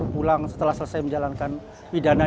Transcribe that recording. pulang setelah selesai menjalankan pidana